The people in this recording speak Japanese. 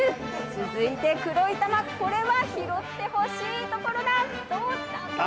続いて黒い玉、これは拾ってほしいところだ。